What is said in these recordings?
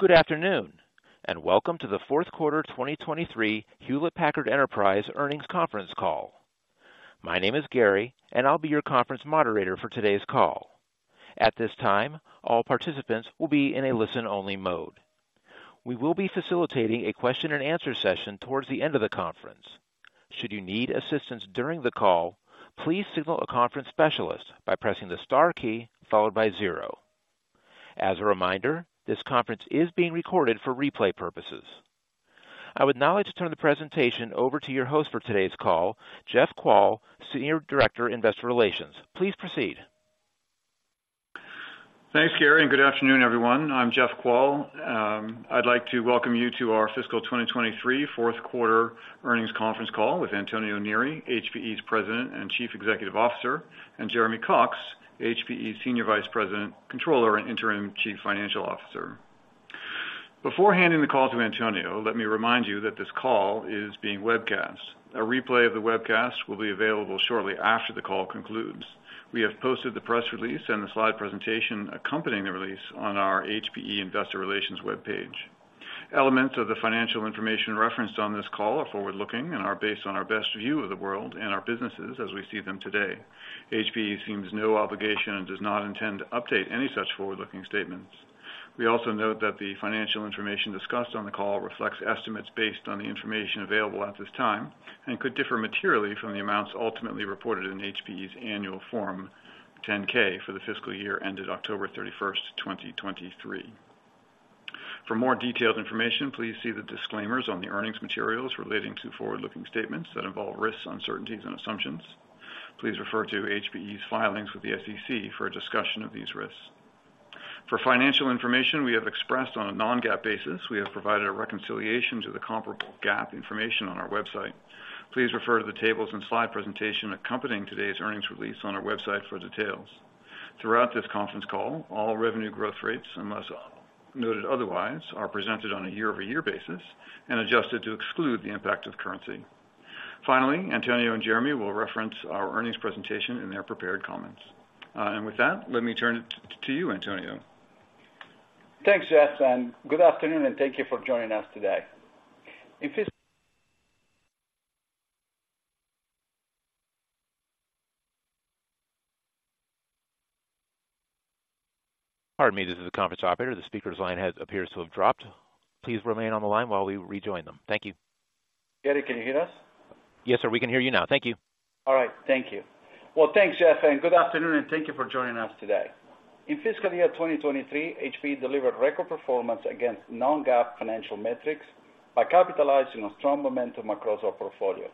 Good afternoon, and welcome to the fourth quarter 2023 Hewlett Packard Enterprise Earnings Conference Call. My name is Gary, and I'll be your conference moderator for today's call. At this time, all participants will be in a listen-only mode. We will be facilitating a question and answer session towards the end of the conference. Should you need assistance during the call, please signal a conference specialist by pressing the star key followed by zero. As a reminder, this conference is being recorded for replay purposes. I would now like to turn the presentation over to your host for today's call, Jeff Kvaal, Senior Director, Investor Relations. Please proceed. Thanks, Gary, and good afternoon, everyone. I'm Jeff Kvaal. I'd like to welcome you to our fiscal 2023 fourth quarter earnings conference call with Antonio Neri, HPE's President and Chief Executive Officer, and Jeremy Cox, HPE Senior Vice President, Controller, and Interim Chief Financial Officer. Before handing the call to Antonio, let me remind you that this call is being webcast. A replay of the webcast will be available shortly after the call concludes. We have posted the press release and the slide presentation accompanying the release on our HPE Investor Relations webpage. Elements of the financial information referenced on this call are forward-looking and are based on our best view of the world and our businesses as we see them today. HPE assumes no obligation and does not intend to update any such forward-looking statements. We also note that the financial information discussed on the call reflects estimates based on the information available at this time and could differ materially from the amounts ultimately reported in HPE's Annual Form 10-K for the fiscal year ended October 31st, 2023. For more detailed information, please see the disclaimers on the earnings materials relating to forward-looking statements that involve risks, uncertainties, and assumptions. Please refer to HPE's filings with the SEC for a discussion of these risks. For financial information we have expressed on a non-GAAP basis, we have provided a reconciliation to the comparable GAAP information on our website. Please refer to the tables and slide presentation accompanying today's earnings release on our website for details. Throughout this conference call, all revenue growth rates, unless noted otherwise, are presented on a year-over-year basis and adjusted to exclude the impact of currency. Finally, Antonio and Jeremy will reference our earnings presentation in their prepared comments. With that, let me turn it to you, Antonio. Thanks, Jeff, and good afternoon, and thank you for joining us today. In fis- Pardon me. This is the conference operator. The speaker's line appears to have dropped. Please remain on the line while we rejoin them. Thank you. Gary, can you hear us? Yes, sir, we can hear you now. Thank you. All right. Thank you. Well, thanks, Jeff, and good afternoon, and thank you for joining us today. In fiscal year 2023, HPE delivered record performance against non-GAAP financial metrics by capitalizing on strong momentum across our portfolio.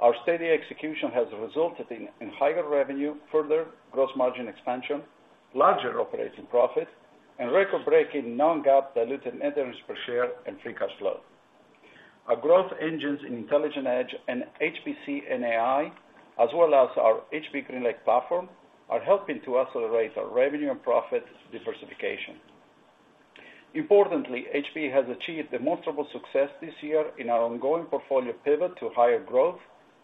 Our steady execution has resulted in higher revenue, further gross margin expansion, larger operating profit, and record-breaking non-GAAP diluted earnings per share and free cash flow. Our growth engines in Intelligent Edge and HPC and AI, as well as our HPE GreenLake platform, are helping to accelerate our revenue and profit diversification. Importantly, HPE has achieved demonstrable success this year in our ongoing portfolio pivot to higher growth,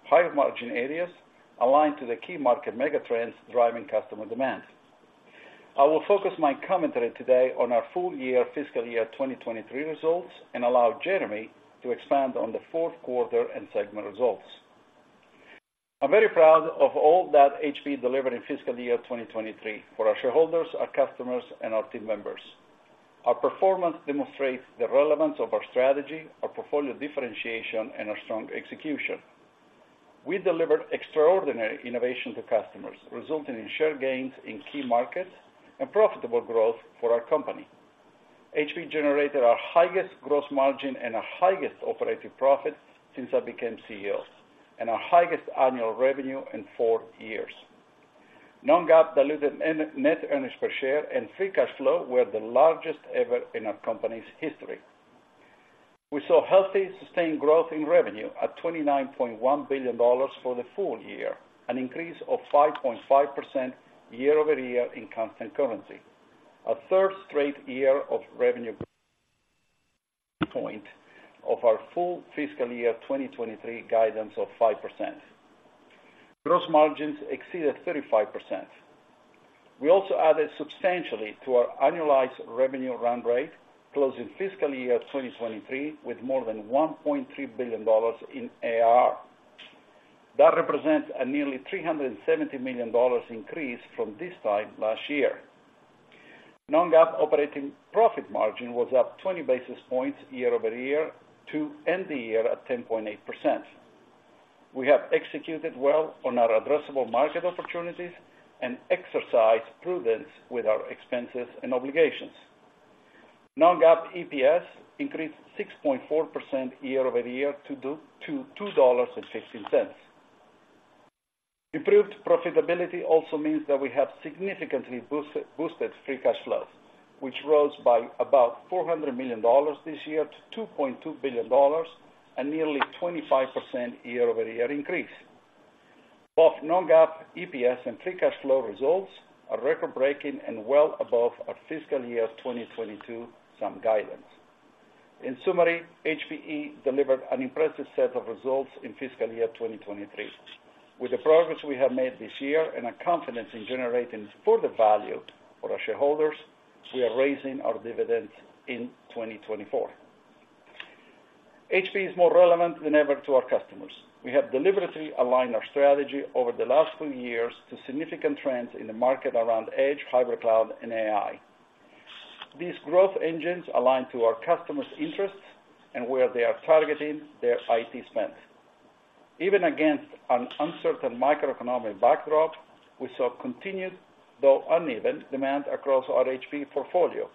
higher margin areas, aligned to the key market megatrends driving customer demand. I will focus my commentary today on our full year, fiscal year 2023 results and allow Jeremy to expand on the fourth quarter and segment results. I'm very proud of all that HPE delivered in fiscal year 2023 for our shareholders, our customers, and our team members. Our performance demonstrates the relevance of our strategy, our portfolio differentiation, and our strong execution. We delivered extraordinary innovation to customers, resulting in share gains in key markets and profitable growth for our company. HPE generated our highest gross margin and our highest operating profits since I became CEO, and our highest annual revenue in four years. Non-GAAP diluted earnings per share and free cash flow were the largest ever in our company's history. We saw healthy, sustained growth in revenue at $29.1 billion for the full year, an increase of 5.5% year-over-year in constant currency. A third straight year of revenue growth, part of our full fiscal year 2023 guidance of 5%. Gross margins exceeded 35%. We also added substantially to our annualized revenue run rate, closing fiscal year 2023 with more than $1.3 billion in ARR. That represents a nearly $370 million increase from this time last year. Non-GAAP operating profit margin was up 20 basis points year-over-year to end the year at 10.8%. We have executed well on our addressable market opportunities and exercised prudence with our expenses and obligations. Non-GAAP EPS increased 6.4% year-over-year to $2.16. Improved profitability also means that we have significantly boosted free cash flow, which rose by about $400 million this year to $2.2 billion, a nearly 25% year-over-year increase. Both non-GAAP EPS and free cash flow results are record-breaking and well above our fiscal year 2022 guidance.... In summary, HPE delivered an impressive set of results in fiscal year 2023. With the progress we have made this year and our confidence in generating further value for our shareholders, we are raising our dividends in 2024. HPE is more relevant than ever to our customers. We have deliberately aligned our strategy over the last two years to significant trends in the market around Edge, Hybrid Cloud, and AI. These growth engines align to our customers' interests and where they are targeting their IT spends. Even against an uncertain macroeconomic backdrop, we saw continued, though uneven, demand across our HPE portfolio,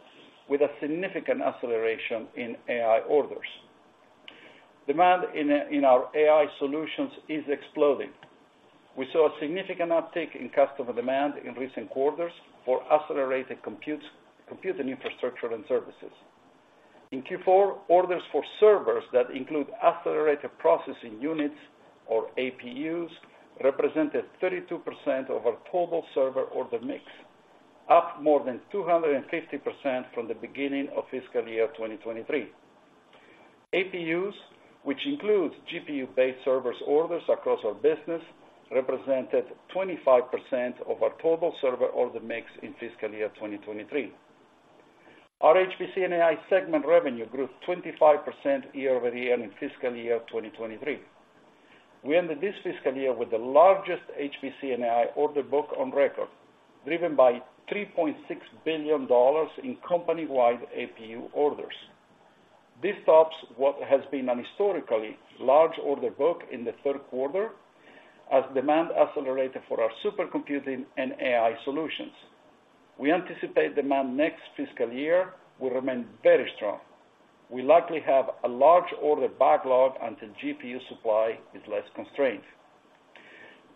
with a significant acceleration in AI orders. Demand in our AI solutions is exploding. We saw a significant uptick in customer demand in recent quarters for accelerated computing, infrastructure, and services. In Q4, orders for servers that include Accelerated Processing Units, or APUs, represented 32% of our total server order mix, up more than 250% from the beginning of fiscal year 2023. APUs, which includes GPU-based servers orders across our business, represented 25% of our total server order mix in fiscal year 2023. Our HPC and AI segment revenue grew 25% year-over-year in fiscal year 2023. We ended this fiscal year with the largest HPC and AI order book on record, driven by $3.6 billion in company-wide APU orders. This tops what has been an historically large order book in the third quarter, as demand accelerated for our supercomputing and AI solutions. We anticipate demand next fiscal year will remain very strong. We likely have a large order backlog until GPU supply is less constrained.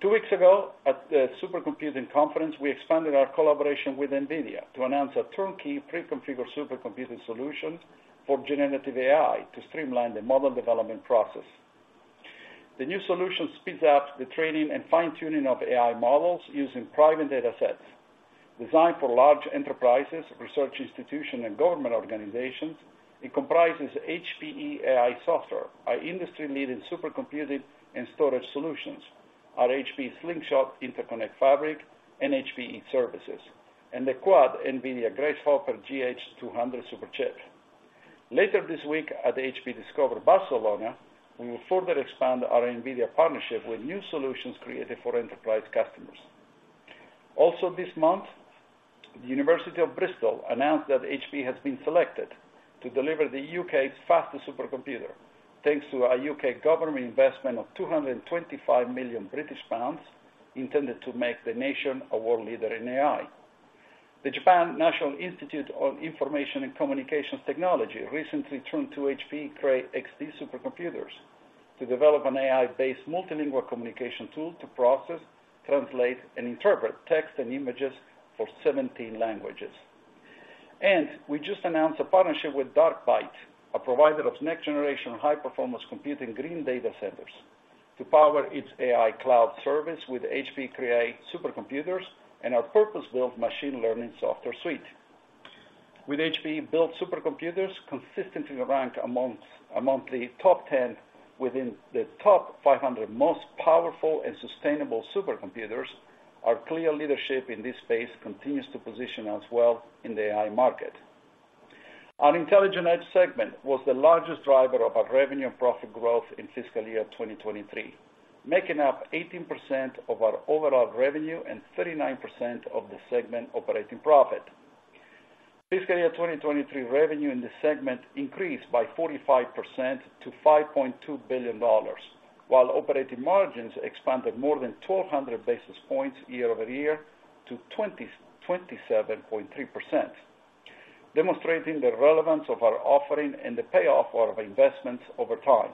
Two weeks ago, at the Supercomputing Conference, we expanded our collaboration with NVIDIA to announce a turnkey, preconfigured supercomputing solutions for generative AI to streamline the model development process. The new solution speeds up the training and fine-tuning of AI models using private data sets. Designed for large enterprises, research institution, and government organizations, it comprises HPE AI software, our industry-leading supercomputing and storage solutions, our HPE Slingshot Interconnect Fabric, and HPE Services, and the quad NVIDIA GH200 Grace Hopper Superchip. Later this week, at the HPE Discover Barcelona, we will further expand our NVIDIA partnership with new solutions created for enterprise customers. Also this month, the University of Bristol announced that HPE has been selected to deliver the U.K.'s fastest supercomputer, thanks to our U.K. government investment of 225 million British pounds, intended to make the nation a world leader in AI. The Japan National Institute of Information and Communications Technology recently turned to HPE Cray XD supercomputers to develop an AI-based multilingual communication tool to process, translate, and interpret text and images for 17 languages. We just announced a partnership with Dark Byte, a provider of next-generation high-performance computing green data centers, to power its AI cloud service with HPE Cray supercomputers and our purpose-built machine learning software suite. With HPE-built supercomputers consistently ranked amongst the top 10 within the top 500 most powerful and sustainable supercomputers, our clear leadership in this space continues to position us well in the AI market. Our Intelligent Edge segment was the largest driver of our revenue and profit growth in fiscal year 2023, making up 18% of our overall revenue and 39% of the segment operating profit. Fiscal year 2023 revenue in this segment increased by 45% to $5.2 billion, while operating margins expanded more than 1,200 basis points year-over-year to 27.3%, demonstrating the relevance of our offering and the payoff of our investments over time.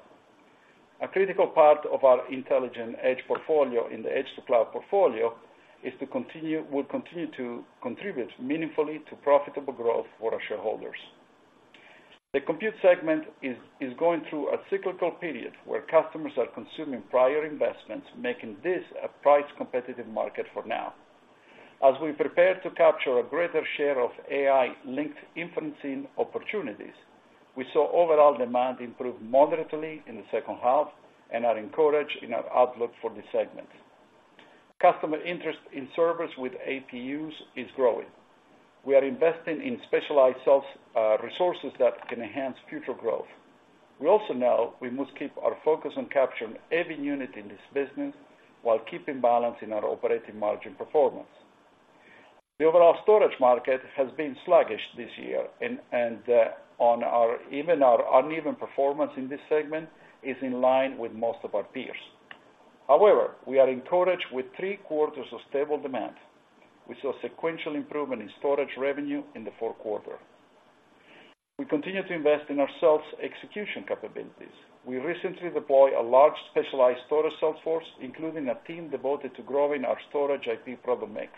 A critical part of our Intelligent Edge portfolio in the Edge to Cloud portfolio will continue to contribute meaningfully to profitable growth for our shareholders. The Compute segment is going through a cyclical period where customers are consuming prior investments, making this a price-competitive market for now. As we prepare to capture a greater share of AI-linked inferencing opportunities, we saw overall demand improve moderately in the second half and are encouraged in our outlook for this segment. Customer interest in servers with APUs is growing. We are investing in specialized sales resources that can enhance future growth. We also know we must keep our focus on capturing every unit in this business while keeping balance in our operating margin performance. The overall storage market has been sluggish this year, and even our uneven performance in this segment is in line with most of our peers. However, we are encouraged with three quarters of stable demand. We saw sequential improvement in storage revenue in the fourth quarter. We continue to invest in our execution capabilities. We recently deployed a large, specialized storage sales force, including a team devoted to growing our storage IP product mix.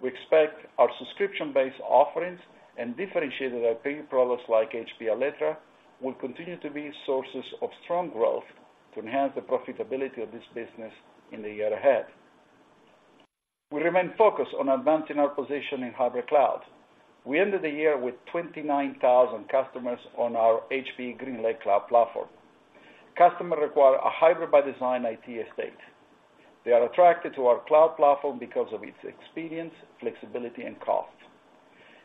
We expect our subscription-based offerings and differentiated IP products like HPE Alletra, will continue to be sources of strong growth to enhance the profitability of this business in the year ahead. We remain focused on advancing our position in hybrid cloud. We ended the year with 29,000 customers on our HPE GreenLake Cloud platform. Customers require a hybrid-by-design IT estate. They are attracted to our cloud platform because of its experience, flexibility, and cost.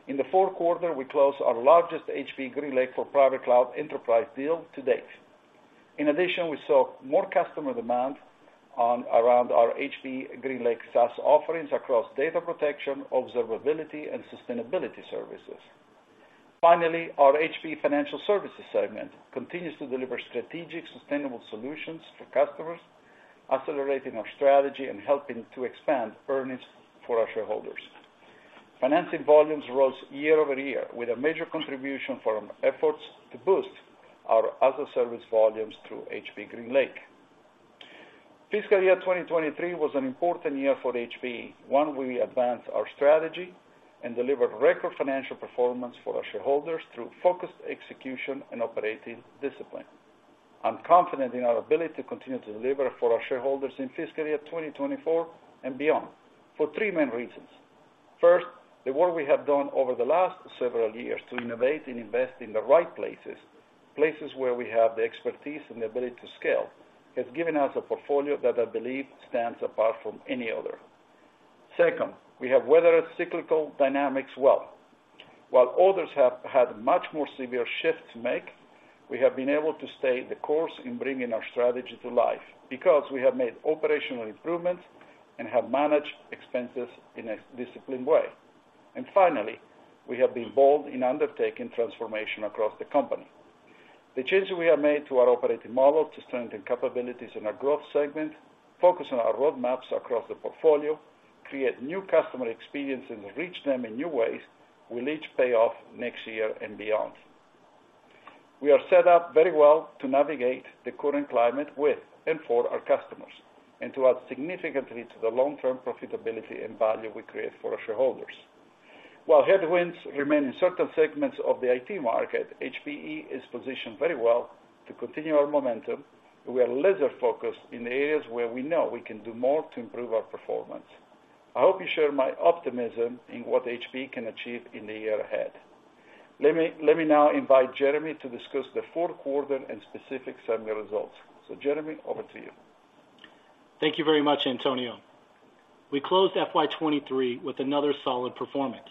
In the fourth quarter, we closed our largest HPE GreenLake for Private Cloud Enterprise deal to date. In addition, we saw more customer demand on, around our HPE GreenLake SaaS offerings across data protection, observability, and sustainability services. Finally, our HPE Financial Services segment continues to deliver strategic, sustainable solutions for customers, accelerating our strategy and helping to expand earnings for our shareholders. Financing volumes rose year-over-year, with a major contribution from efforts to boost our as-a-service volumes through HPE GreenLake. Fiscal year 2023 was an important year for HPE, one we advanced our strategy and delivered record financial performance for our shareholders through focused execution and operating discipline. I'm confident in our ability to continue to deliver for our shareholders in fiscal year 2024 and beyond, for three main reasons. First, the work we have done over the last several years to innovate and invest in the right places, places where we have the expertise and the ability to scale, has given us a portfolio that I believe stands apart from any other. Second, we have weathered cyclical dynamics well. While others have had much more severe shifts to make, we have been able to stay the course in bringing our strategy to life, because we have made operational improvements and have managed expenses in a disciplined way. And finally, we have been bold in undertaking transformation across the company. The changes we have made to our operating model to strengthen capabilities in our growth segment, focus on our roadmaps across the portfolio, create new customer experiences, and reach them in new ways, will each pay off next year and beyond. We are set up very well to navigate the current climate with and for our customers, and to add significantly to the long-term profitability and value we create for our shareholders. While headwinds remain in certain segments of the IT market, HPE is positioned very well to continue our momentum, and we are laser-focused in the areas where we know we can do more to improve our performance. I hope you share my optimism in what HPE can achieve in the year ahead. Let me, let me now invite Jeremy to discuss the fourth quarter and specific segment results. Jeremy, over to you. Thank you very much, Antonio. We closed FY 2023 with another solid performance.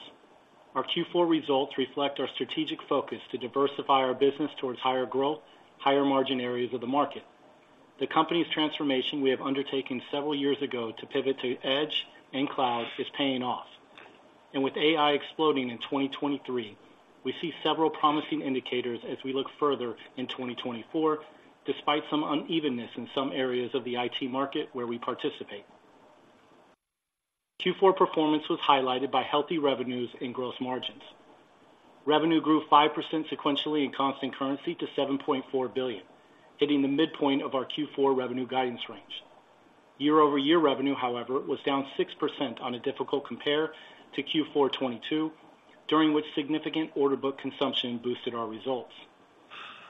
Our Q4 results reflect our strategic focus to diversify our business towards higher growth, higher margin areas of the market. The company's transformation we have undertaken several years ago to pivot to edge and cloud is paying off. And with AI exploding in 2023, we see several promising indicators as we look further in 2024, despite some unevenness in some areas of the IT market where we participate. Q4 performance was highlighted by healthy revenues and gross margins. Revenue grew 5% sequentially in constant currency to $7.4 billion, hitting the midpoint of our Q4 revenue guidance range. Year-over-year revenue, however, was down 6% on a difficult compared to Q4 2022, during which significant order book consumption boosted our results.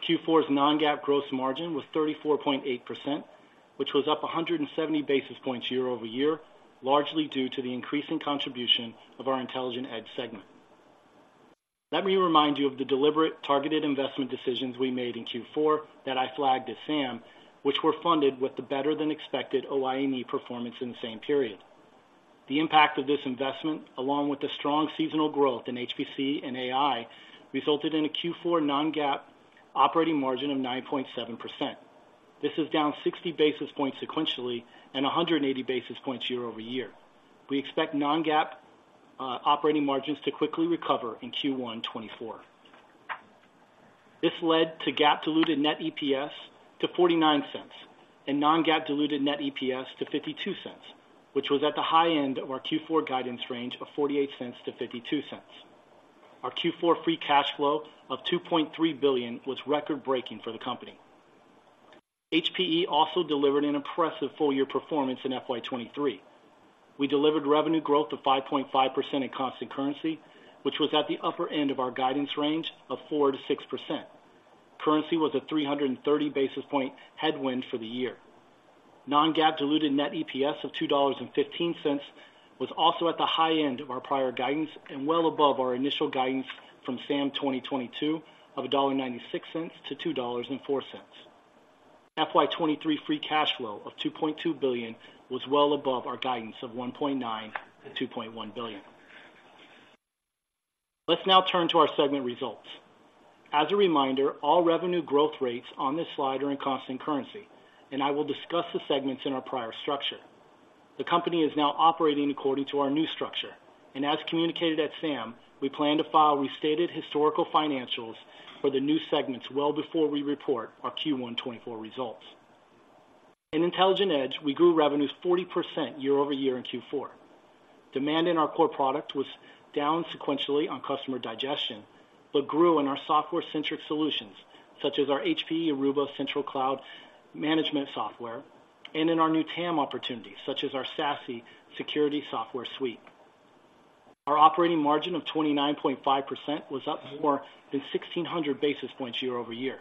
Q4's non-GAAP gross margin was 34.8%, which was up 170 basis points year-over-year, largely due to the increasing contribution of our Intelligent Edge segment. Let me remind you of the deliberate, targeted investment decisions we made in Q4 that I flagged at SAM, which were funded with the better-than-expected [OINE] performance in the same period. The impact of this investment, along with the strong seasonal growth in HPC and AI, resulted in a Q4 non-GAAP operating margin of 9.7%. This is down 60 basis points sequentially and 180 basis points year-over-year. We expect non-GAAP operating margins to quickly recover in Q1 2024. This led to GAAP diluted net EPS to $0.49 and non-GAAP diluted net EPS to $0.52, which was at the high end of our Q4 guidance range of $0.48-$0.52. Our Q4 free cash flow of $2.3 billion was record-breaking for the company. HPE also delivered an impressive full-year performance in FY 2023. We delivered revenue growth of 5.5% in constant currency, which was at the upper end of our guidance range of 4%-6%. Currency was a 330 basis point headwind for the year. Non-GAAP diluted net EPS of $2.15 was also at the high end of our prior guidance and well above our initial guidance from SAM 2022 of $1.96-$2.04. FY 2023 free cash flow of $2.2 billion was well above our guidance of $1.9 billion-$2.1 billion. Let's now turn to our segment results. As a reminder, all revenue growth rates on this slide are in constant currency, and I will discuss the segments in our prior structure. The company is now operating according to our new structure, and as communicated at SAM, we plan to file restated historical financials for the new segments well before we report our Q1 2024 results. In Intelligent Edge, we grew revenues 40% year-over-year in Q4. Demand in our core product was down sequentially on customer digestion, but grew in our software-centric solutions, such as our HPE Aruba Central Cloud Management software and in our new TAM opportunities, such as our SASE security software suite. Our operating margin of 29.5% was up more than 1,600 basis points year-over-year.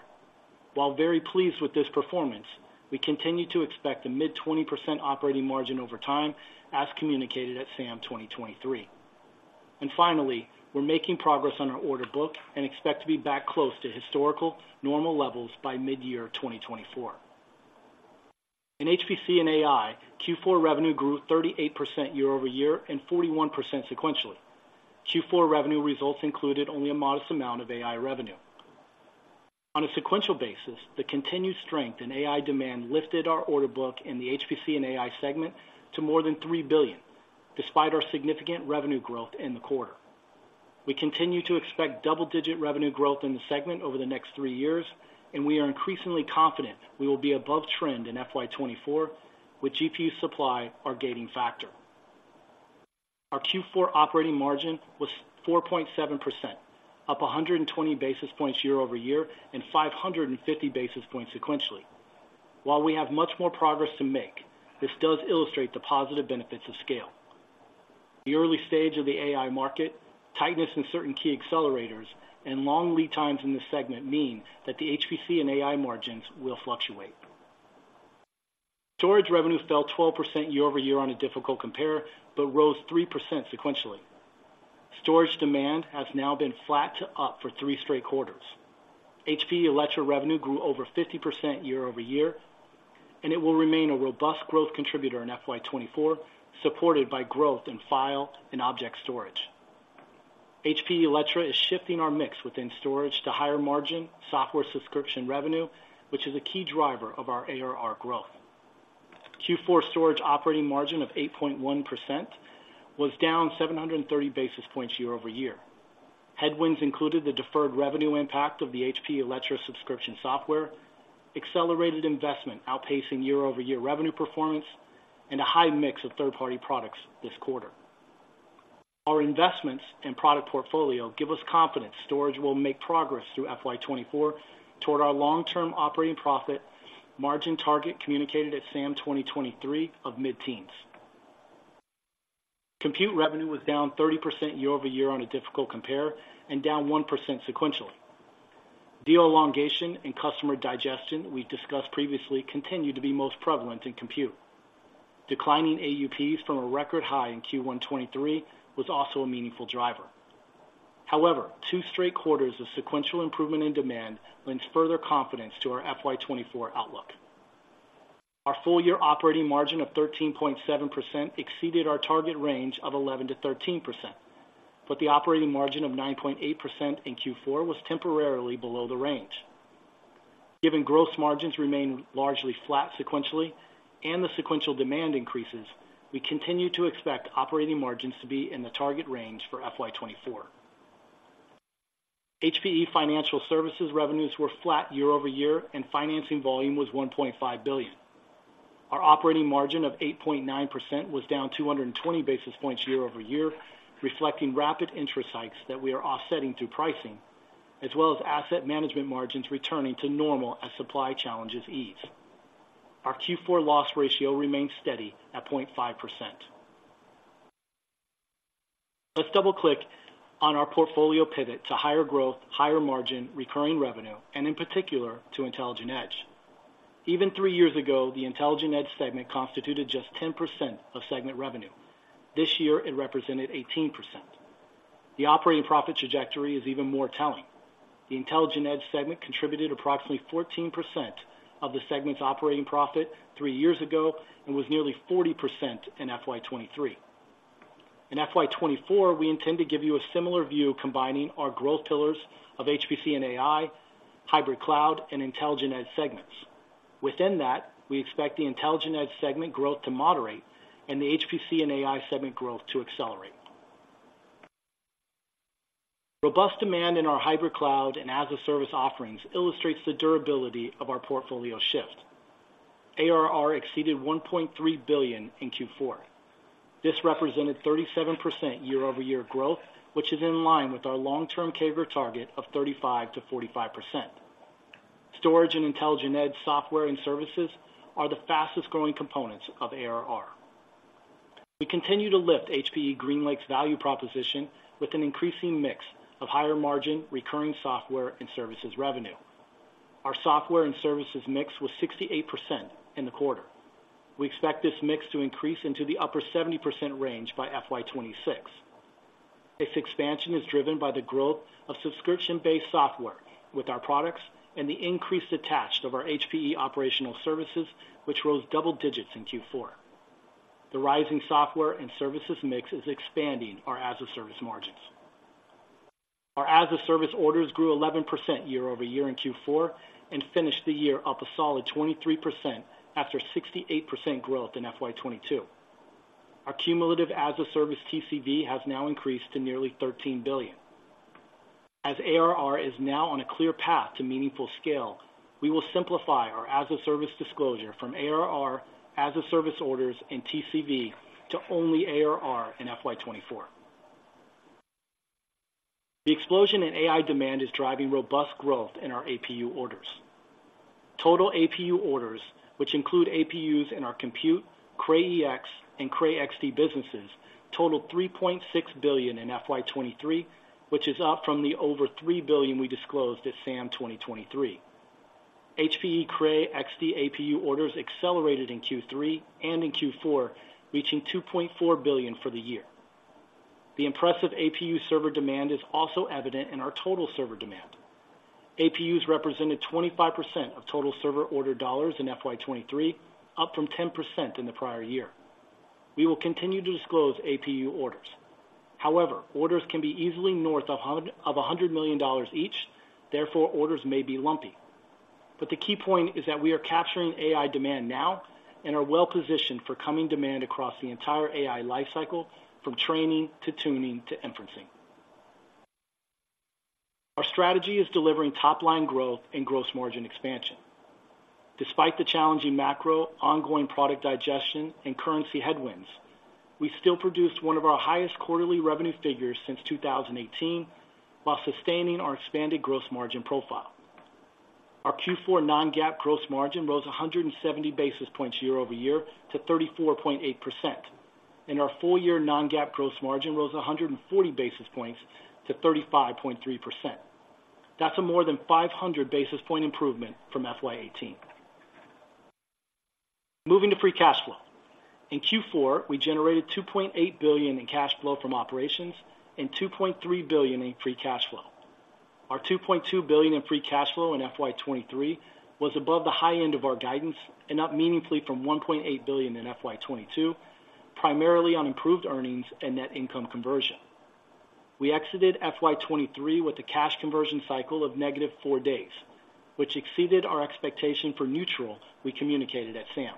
While very pleased with this performance, we continue to expect a mid-20% operating margin over time, as communicated at SAM 2023. And finally, we're making progress on our order book and expect to be back close to historical normal levels by mid-2024. In HPC and AI, Q4 revenue grew 38% year-over-year and 41% sequentially. Q4 revenue results included only a modest amount of AI revenue. On a sequential basis, the continued strength in AI demand lifted our order book in the HPC and AI segment to more than $3 billion, despite our significant revenue growth in the quarter. We continue to expect double-digit revenue growth in the segment over the next three years, and we are increasingly confident we will be above trend in FY 2024, with GPU supply our gating factor. Our Q4 operating margin was 4.7%, up 120 basis points year-over-year and 550 basis points sequentially. While we have much more progress to make, this does illustrate the positive benefits of scale. The early stage of the AI market, tightness in certain key accelerators, and long lead times in this segment mean that the HPC and AI margins will fluctuate. Storage revenue fell 12% year-over-year on a difficult compare, but rose 3% sequentially. Storage demand has now been flat to up for three straight quarters. HPE Alletra revenue grew over 50% year-over-year, and it will remain a robust growth contributor in FY 2024, supported by growth in file and object storage. HPE Alletra is shifting our mix within storage to higher margin software subscription revenue, which is a key driver of our ARR growth. Q4 storage operating margin of 8.1% was down 730 basis points year-over-year. Headwinds included the deferred revenue impact of the HPE Alletra subscription software, accelerated investment outpacing year-over-year revenue performance, and a high mix of third-party products this quarter. Our investments and product portfolio give us confidence storage will make progress through FY 2024 toward our long-term operating profit margin target, communicated at SAM 2023 of mid-teens. Compute revenue was down 30% year-over-year on a difficult compare and down 1% sequentially. Deal elongation and customer digestion we've discussed previously continue to be most prevalent in compute. Declining AUPs from a record high in Q1 2023 was also a meaningful driver. However, two straight quarters of sequential improvement in demand lends further confidence to our FY 2024 outlook. Our full year operating margin of 13.7% exceeded our target range of 11%-13%, but the operating margin of 9.8% in Q4 was temporarily below the range. Given gross margins remain largely flat sequentially and the sequential demand increases, we continue to expect operating margins to be in the target range for FY 2024. HPE Financial Services revenues were flat year-over-year, and financing volume was $1.5 billion. Our operating margin of 8.9% was down 220 basis points year-over-year, reflecting rapid interest hikes that we are offsetting through pricing, as well as asset management margins returning to normal as supply challenges ease. Our Q4 loss ratio remains steady at 0.5%. Let's double-click on our portfolio pivot to higher growth, higher margin, recurring revenue, and in particular, to Intelligent Edge. Even three years ago, the Intelligent Edge segment constituted just 10% of segment revenue. This year, it represented 18%. The operating profit trajectory is even more telling. The Intelligent Edge segment contributed approximately 14% of the segment's operating profit three years ago and was nearly 40% in FY 2023. In FY 2024, we intend to give you a similar view, combining our growth pillars of HPC and AI, Hybrid Cloud, and Intelligent Edge segments. Within that, we expect the Intelligent Edge segment growth to moderate and the HPC and AI segment growth to accelerate. Robust demand in our hybrid cloud and as-a-service offerings illustrates the durability of our portfolio shift. ARR exceeded $1.3 billion in Q4. This represented 37% year-over-year growth, which is in line with our long-term CAGR target of 35%-45%. Storage and Intelligent Edge software and services are the fastest-growing components of ARR. We continue to lift HPE GreenLake's value proposition with an increasing mix of higher margin, recurring software and services revenue. Our software and services mix was 68% in the quarter. We expect this mix to increase into the upper 70% range by FY 2026. This expansion is driven by the growth of subscription-based software with our products and the increased attachment of our HPE operational services, which rose double digits in Q4. The rising software and services mix is expanding our as-a-service margins. Our as-a-service orders grew 11% year-over-year in Q4 and finished the year up a solid 23%, after 68% growth in FY 2022. Our cumulative as-a-service TCV has now increased to nearly $13 billion. As ARR is now on a clear path to meaningful scale, we will simplify our as-a-service disclosure from ARR, as-a-service orders, and TCV to only ARR in FY 2024. The explosion in AI demand is driving robust growth in our APU orders. Total APU orders, which include APUs in our Compute, Cray EX, and Cray XD businesses, totaled $3.6 billion in FY 2023, which is up from the over $3 billion we disclosed at SAM 2023. HPE Cray XD APU orders accelerated in Q3 and in Q4, reaching $2.4 billion for the year. The impressive APU server demand is also evident in our total server demand. APUs represented 25% of total server order dollars in FY 2023, up from 10% in the prior year. We will continue to disclose APU orders. However, orders can be easily north of a hundred million dollars each, therefore, orders may be lumpy. But the key point is that we are capturing AI demand now and are well positioned for coming demand across the entire AI life cycle, from training to tuning to inferencing. Our strategy is delivering top-line growth and gross margin expansion. Despite the challenging macro, ongoing product digestion, and currency headwinds, we still produced one of our highest quarterly revenue figures since 2018, while sustaining our expanded gross margin profile. Our Q4 non-GAAP gross margin rose 170 basis points year-over-year to 34.8%, and our full year non-GAAP gross margin rose 140 basis points to 35.3%. That's a more than 500 basis point improvement from FY 2018. Moving to free cash flow. In Q4, we generated $2.8 billion in cash flow from operations and $2.3 billion in free cash flow. Our $2.2 billion in free cash flow in FY 2023 was above the high end of our guidance and up meaningfully from $1.8 billion in FY 2022, primarily on improved earnings and net income conversion. We exited FY 2023 with a cash conversion cycle of -4 days, which exceeded our expectation for neutral. We communicated at SAM.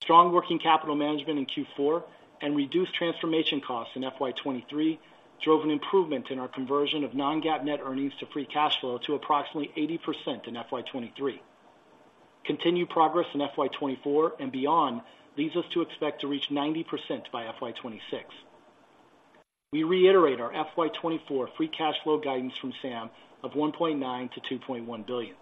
Strong working capital management in Q4 and reduced transformation costs in FY 2023 drove an improvement in our conversion of non-GAAP net earnings to free cash flow to approximately 80% in FY 2023. Continued progress in FY 2024 and beyond leads us to expect to reach 90% by FY 2026. We reiterate our FY 2024 free cash flow guidance from SAM of $1.9 billion-$2.1 billion,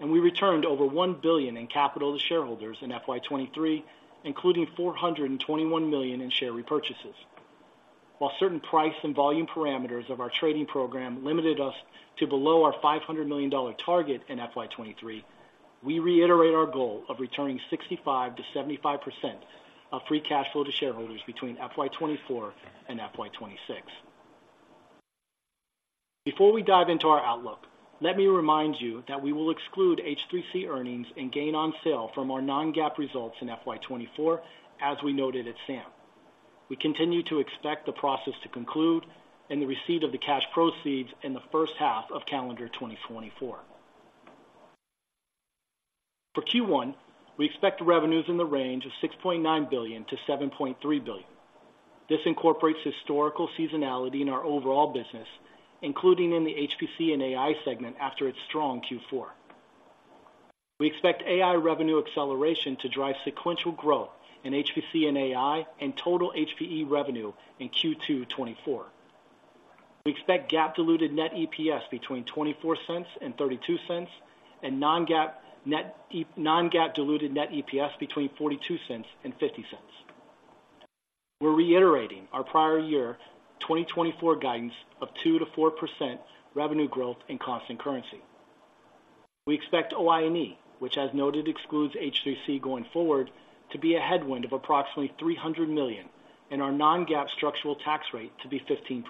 and we returned over $1 billion in capital to shareholders in FY 2023, including $421 million in share repurchases. While certain price and volume parameters of our trading program limited us to below our $500 million target in FY 2023, we reiterate our goal of returning 65%-75% of free cash flow to shareholders between FY 2024 and FY 2026. Before we dive into our outlook, let me remind you that we will exclude H3C earnings and gain on sale from our non-GAAP results in FY 2024, as we noted at SAM. We continue to expect the process to conclude and the receipt of the cash proceeds in the first half of calendar 2024. For Q1, we expect revenues in the range of $6.9 billion-$7.3 billion. This incorporates historical seasonality in our overall business, including in the HPC and AI segment after its strong Q4. We expect AI revenue acceleration to drive sequential growth in HPC and AI and total HPE revenue in Q2 2024. We expect GAAP diluted net EPS between $0.24 and $0.32, and non-GAAP diluted net EPS between $0.42 and $0.50. We're reiterating our prior 2024 guidance of 2%-4% revenue growth in constant currency. We expect [OINE], which, as noted, excludes H3C going forward, to be a headwind of approximately $300 million and our non-GAAP structural tax rate to be 15%.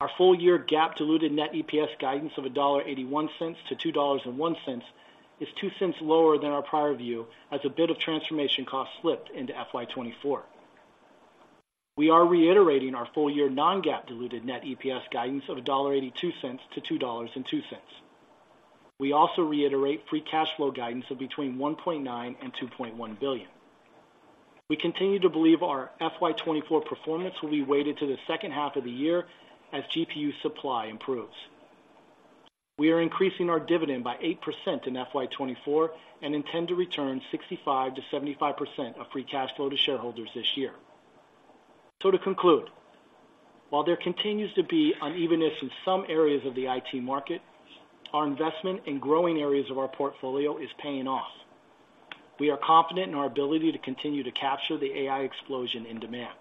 Our full-year GAAP diluted net EPS guidance of $1.81-$2.01 is $0.02 lower than our prior view, as a bit of transformation cost slipped into FY 2024. We are reiterating our full-year non-GAAP diluted net EPS guidance of $1.82-$2.02. We also reiterate free cash flow guidance of between $1.9 billion and $2.1 billion. We continue to believe our FY 2024 performance will be weighted to the second half of the year as GPU supply improves. We are increasing our dividend by 8% in FY 2024 and intend to return 65%-75% of free cash flow to shareholders this year. So, to conclude, while there continues to be unevenness in some areas of the IT market, our investment in growing areas of our portfolio is paying off. We are confident in our ability to continue to capture the AI explosion in demand.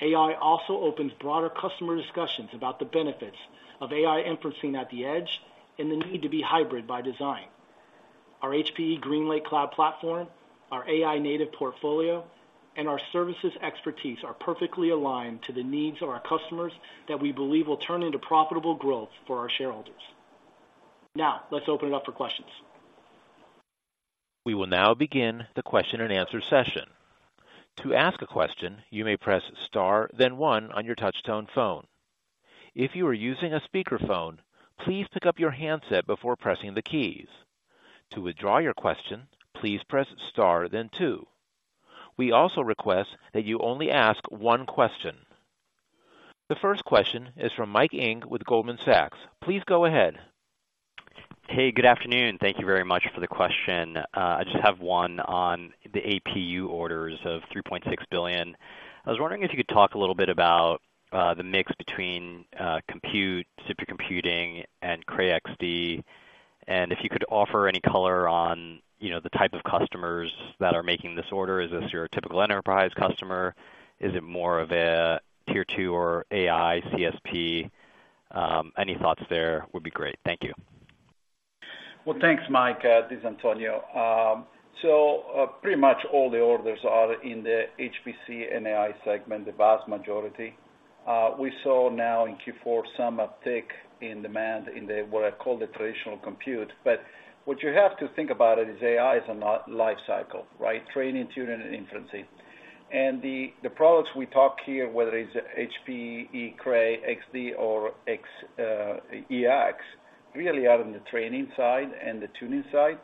AI also opens broader customer discussions about the benefits of AI inferencing at the Edge and the need to be hybrid by design. Our HPE GreenLake Cloud platform, our AI native portfolio, and our services expertise are perfectly aligned to the needs of our customers that we believe will turn into profitable growth for our shareholders. Now, let's open it up for questions. We will now begin the question-and-answer session. To ask a question, you may press Star, then One on your touchtone phone. If you are using a speakerphone, please pick up your handset before pressing the keys. To withdraw your question, please press Star then Two. We also request that you only ask one question. The first question is from Mike Ng with Goldman Sachs. Please go ahead. Hey, good afternoon. Thank you very much for the question. I just have one on the APU orders of $3.6 billion. I was wondering if you could talk a little bit about the mix between compute, supercomputing, and Cray XD, and if you could offer any color on, you know, the type of customers that are making this order. Is this your typical enterprise customer? Is it more of a tier two or AI CSP? Any thoughts there would be great. Thank you. Well, thanks, Mike. This is Antonio. So, pretty much all the orders are in the HPC and AI segment, the vast majority. We saw now in Q4 some uptick in demand in the, what I call the traditional compute. But what you have to think about it is AI is a lifecycle, right? Training, tuning, and inferencing. And the products we talk here, whether it's HPE Cray XD or EX, really are on the training side and the tuning side.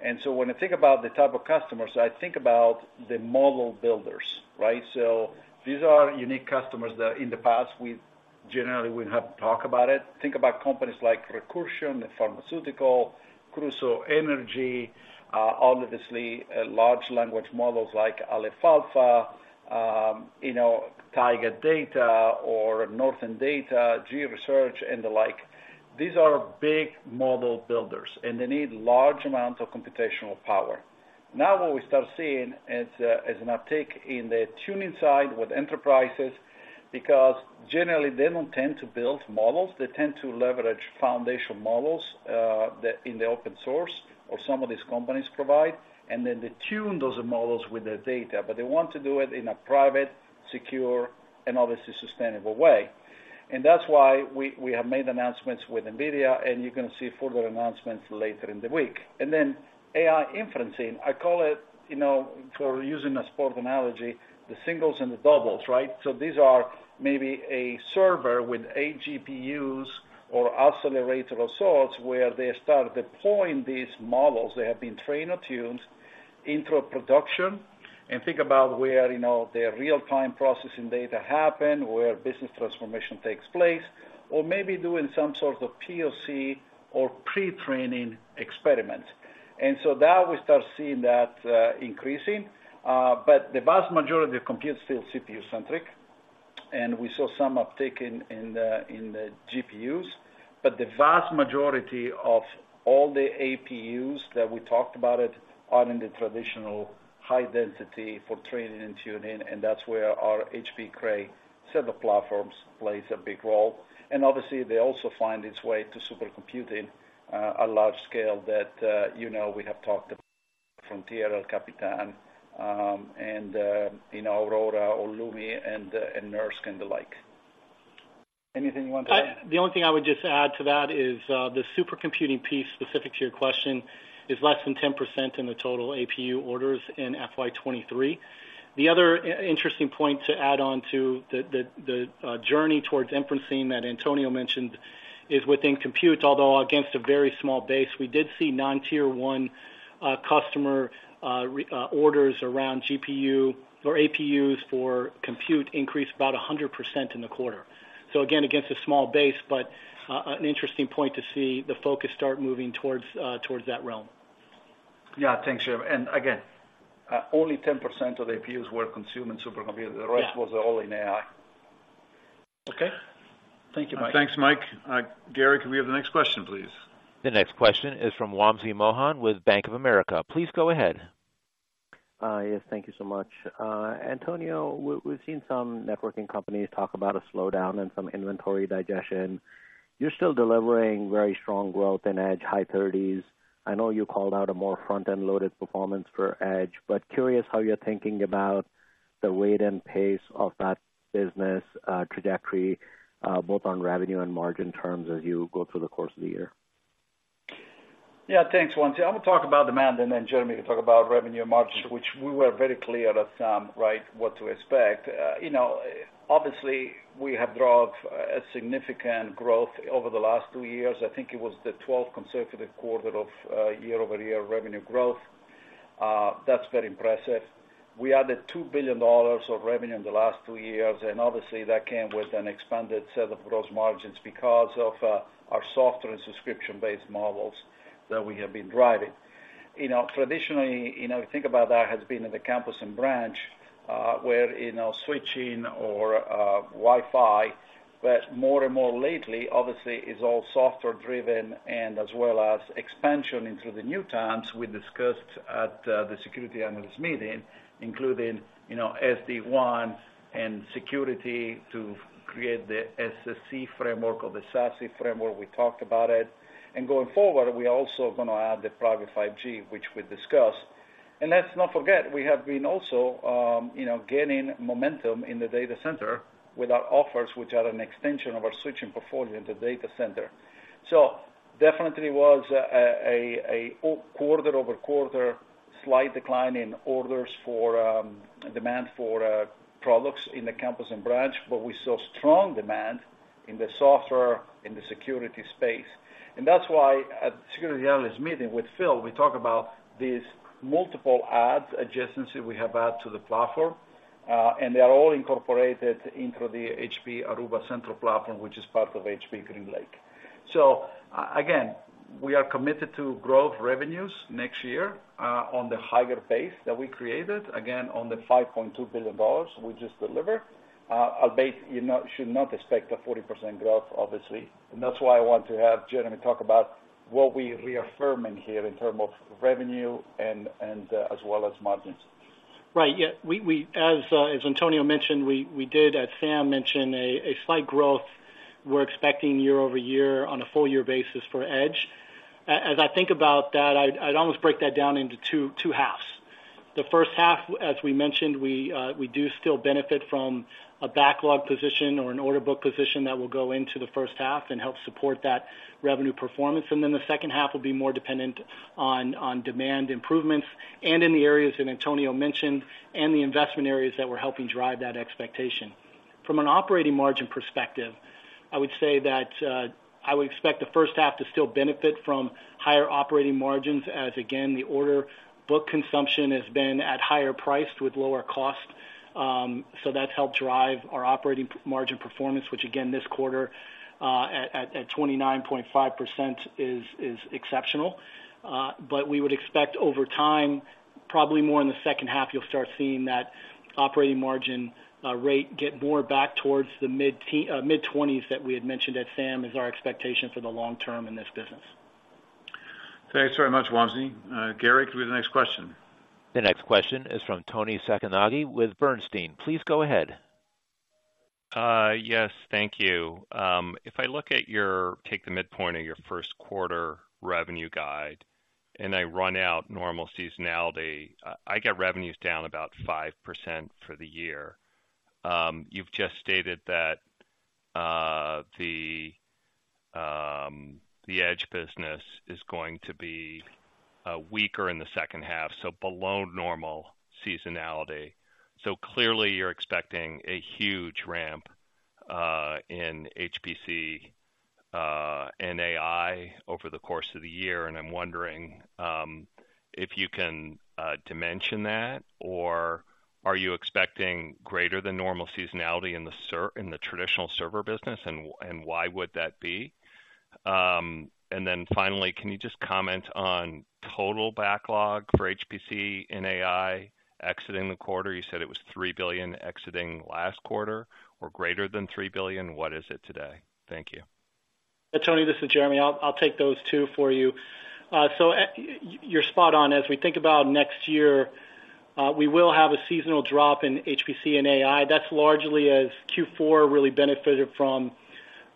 And so when I think about the type of customers, I think about the model builders, right? So these are unique customers that in the past, we generally wouldn't have talked about it. Think about companies like Recursion, the pharmaceutical, Crusoe Energy, obviously, large language models like Aleph Alpha, you know, Taiga Data or Northern Data, G-Research, and the like. These are big model builders, and they need large amounts of computational power. Now, what we start seeing is, is an uptick in the tuning side with enterprises, because generally, they don't tend to build models. They tend to leverage foundational models, the, in the open source or some of these companies provide, and then they tune those models with their data, but they want to do it in a private, secure, and obviously sustainable way. And that's why we, we have made announcements with NVIDIA, and you're gonna see further announcements later in the week. And then AI inferencing, I call it, you know, for using a sport analogy, the singles and the doubles, right? So, these are maybe a server with APUs or accelerator of sorts, where they start deploying these models that have been trained or tuned into a production, and think about where, you know, their real-time processing data happen, where business transformation takes place, or maybe doing some sort of POC or pre-training experiment. And so now we start seeing that, increasing. But the vast majority of compute is still CPU-centric, and we saw some uptick in the GPUs. But the vast majority of all the APUs that we talked about it, are in the traditional high density for training and tuning, and that's where our HP Cray server platforms plays a big role. And obviously, they also find its way to supercomputing, a large scale that, you know, we have talked about from El Capitan, and, you know, Aurora or LUMI and, and NERSC and the like. Anything you want to add? The only thing I would just add to that is, the supercomputing piece, specific to your question, is less than 10% in the total APU orders in FY 2023. The other interesting point to add on to the journey towards inferencing that Antonio mentioned, is within compute, although against a very small base, we did see non-tier one customer reorders around GPU or APUs for compute increase about 100% in the quarter. So again, against a small base, but, an interesting point to see the focus start moving towards that realm. Yeah. Thanks, Jeremy. And again, only 10% of APUs were consumed in supercomputing. Yeah. The rest was all in AI. Okay. Thank you, Mike. Thanks, Mike. Derek, can we have the next question, please? The next question is from Wamsi Mohan with Bank of America. Please go ahead. Yes. Thank you so much. Antonio, we've seen some networking companies talk about a slowdown and some inventory digestion. You're still delivering very strong growth in Edge, high 30s. I know you called out a more front-end loaded performance for Edge, but curious how you're thinking about the weight and pace of that business, trajectory, both on revenue and margin terms as you go through the course of the year. Yeah, thanks, Wamsi. I'm gonna talk about demand, and then Jeremy can talk about revenue and margins, which we were very clear of some, right, what to expect. You know, obviously, we have drove a significant growth over the last two years. I think it was the twelfth consecutive quarter of year-over-year revenue growth. That's very impressive. We added $2 billion of revenue in the last two years, and obviously, that came with an expanded set of gross margins because of our software and subscription-based models that we have been driving. You know, traditionally, you know, think about that has been in the campus and branch, where, you know, switching or Wi-Fi, but more and more lately, obviously, is all software driven and as well as expansion into the new domains we discussed at the securities analyst meeting, including, you know, SD-WAN and security to create the SASE framework or the SASE framework. We talked about it. And going forward, we are also gonna add the private 5G, which we discussed. And let's not forget, we have been also, you know, gaining momentum in the data center with our offers, which are an extension of our switching portfolio in the data center. So, definitely was a quarter-over-quarter slight decline in orders for demand for products in the campus and branch, but we saw strong demand in the software, in the security space. And that's why at security analyst meeting with Phil, we talked about these multiple adds, adjacencies we have added to the platform. And they are all incorporated into the HPE Aruba Central Platform, which is part of HPE GreenLake. So again, we are committed to growth revenues next year on the higher base that we created, again, on the $5.2 billion we just delivered. Albeit, you know, should not expect a 40% growth, obviously, and that's why I want to have Jeremy talk about what we're reaffirming here in terms of revenue and as well as margins. Right. Yeah, as Antonio mentioned, as Sam mentioned, a slight growth we're expecting year-over-year on a full year basis for Edge. As I think about that, I'd almost break that down into two halves. The first half, as we mentioned, we do still benefit from a backlog position or an order book position that will go into the first half and help support that revenue performance. And then the second half will be more dependent on demand improvements, and in the areas that Antonio mentioned, and the investment areas that we're helping drive that expectation. From an operating margin perspective, I would say that I would expect the first half to still benefit from higher operating margins, as again, the order book consumption has been at higher priced with lower cost. So, that's helped drive our operating margin performance, which again, this quarter, at 29.5% is exceptional. But we would expect over time, probably more in the second half, you'll start seeing that operating margin rate get more back towards the mid-twenties that we had mentioned at SAM, is our expectation for the long term in this business. Thanks very much, Wamsi. Gary, give me the next question. The next question is from Toni Sacconaghi with Bernstein. Please go ahead. Yes, thank you. If I look at your—take the midpoint of your first quarter revenue guide, and I run out normal seasonality, I get revenues down about 5% for the year. You've just stated that the Edge business is going to be weaker in the second half, so below normal seasonality. So clearly, you're expecting a huge ramp in HPC and AI over the course of the year, and I'm wondering if you can dimension that, or are you expecting greater than normal seasonality in the ser—in the traditional server business, and why would that be? And then finally, can you just comment on total backlog for HPC and AI exiting the quarter? You said it was $3 billion exiting last quarter or greater than $3 billion. What is it today? Thank you. Tony, this is Jeremy. I'll take those two for you. So you're spot on. As we think about next year, we will have a seasonal drop in HPC and AI. That's largely as Q4 really benefited from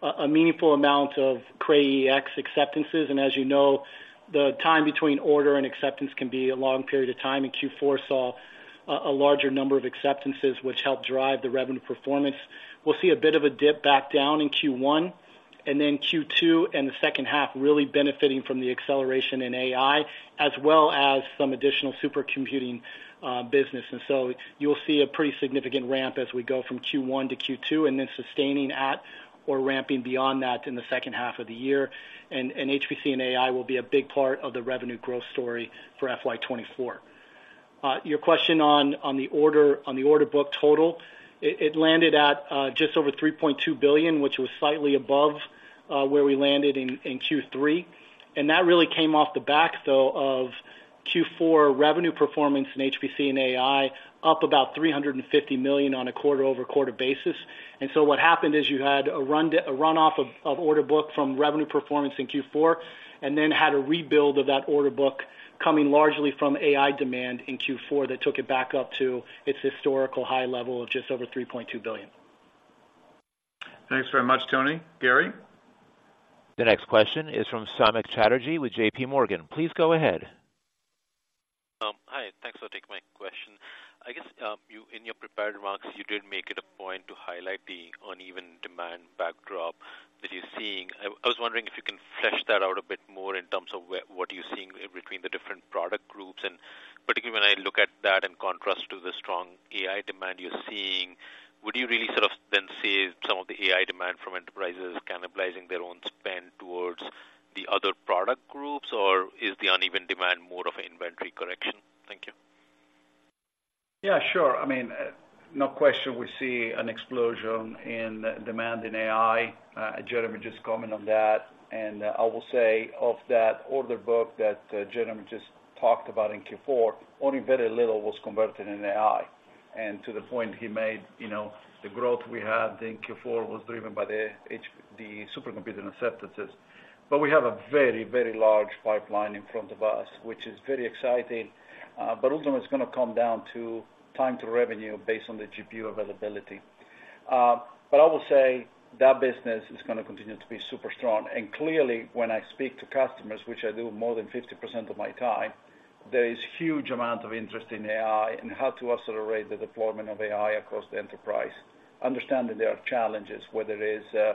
a meaningful amount of Cray EX acceptances. And as you know, the time between order and acceptance can be a long period of time, and Q4 saw a larger number of acceptances, which helped drive the revenue performance. We'll see a bit of a dip back down in Q1, and then Q2 and the second half really benefiting from the acceleration in AI, as well as some additional supercomputing business. And so you'll see a pretty significant ramp as we go from Q1 to Q2, and then sustaining at or ramping beyond that in the second half of the year. HPC and AI will be a big part of the revenue growth story for FY 2024. Your question on the order book total, it landed at just over $3.2 billion, which was slightly above where we landed in Q3. And that really came off the back, though, of Q4 revenue performance in HPC and AI, up about $350 million on a quarter-over-quarter basis. And so what happened is you had a runoff of order book from revenue performance in Q4, and then had a rebuild of that order book, coming largely from AI demand in Q4, that took it back up to its historical high level of just over $3.2 billion. Thanks very much, Tony. Gary? The next question is from Samik Chatterjee with JPMorgan. Please go ahead. Hi, thanks for taking my question. I guess, you, in your prepared remarks, you did make it a point to highlight the uneven demand backdrop that you're seeing. I was wondering if you can flesh that out a bit more in terms of what you're seeing between the different product groups. And particularly when I look at that in contrast to the strong AI demand you're seeing, would you really sort of then say some of the AI demand from enterprises is cannibalizing their own spend towards the other product groups, or is the uneven demand more of an inventory correction? Thank you. Yeah, sure. I mean, no question, we see an explosion in demand in AI. Jeremy just commented on that, and, I will say of that order book that, Jeremy just talked about in Q4, only very little was converted in AI. And to the point he made, you know, the growth we had in Q4 was driven by the supercomputing acceptances. But we have a very, very large pipeline in front of us, which is very exciting, but ultimately, it's gonna come down to time to revenue based on the GPU availability. But I will say that business is gonna continue to be super strong. And clearly, when I speak to customers, which I do more than 50% of my time, there is huge amount of interest in AI and how to accelerate the deployment of AI across the enterprise. Understanding there are challenges, whether it is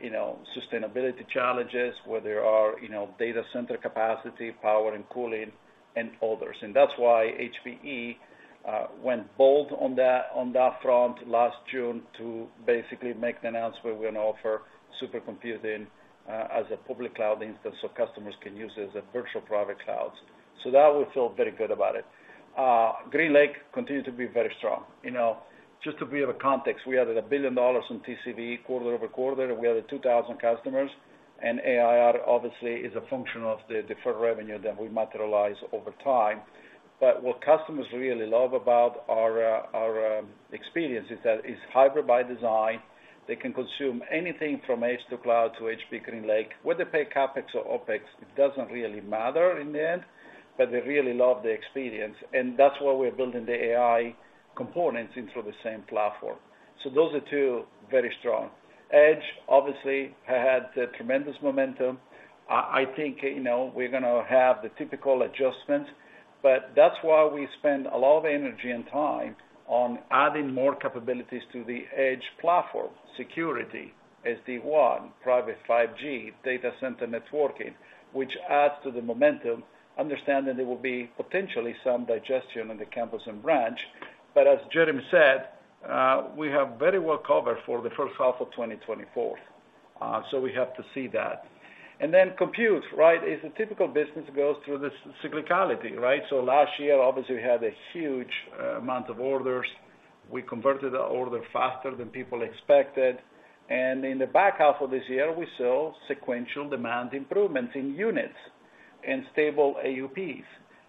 you know sustainability challenges, whether you know data center capacity, power and cooling, and others. And that's why HPE went bold on that, on that front last June to basically make the announcement we're gonna offer supercomputing as a public cloud instance, so customers can use it as a virtual private clouds. So that we feel very good about it. GreenLake continues to be very strong. You know, just to be of a context, we added $1 billion in TCV quarter-over-quarter, and we added 2,000 customers, and ARR obviously is a function of the deferred revenue that we materialize over time. But what customers really love about our experience is that it's hybrid by design. They can consume anything from edge to cloud to HPE GreenLake, whether they pay CapEx or OpEx, it doesn't really matter in the end, but they really love the experience, and that's why we're building the AI components into the same platform. So those are two, very strong. Edge, obviously, had tremendous momentum. I think, you know, we're gonna have the typical adjustments, but that's why we spend a lot of energy and time on adding more capabilities to the edge platform: security, SD-WAN, private 5G, data center networking, which adds to the momentum, understanding there will be potentially some digestion in the campus and branch. But as Jeremy said, we have very well covered for the first half of 2024, so we have to see that. And then compute, right, is a typical business goes through this cyclicality, right? So last year, obviously, we had a huge amount of orders. We converted the order faster than people expected, and in the back half of this year, we saw sequential demand improvements in units and stable AUPs.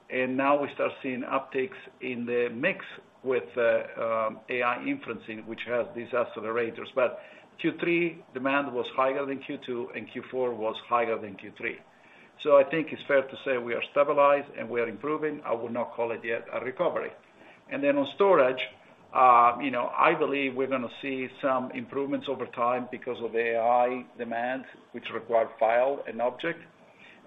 And now we start seeing upticks in the mix with AI inferencing, which has these accelerators. But Q3 demand was higher than Q2, and Q4 was higher than Q3. So I think it's fair to say we are stabilized, and we are improving. I would not call it yet a recovery. And then on storage, you know, I believe we're gonna see some improvements over time because of AI demand, which require file and object,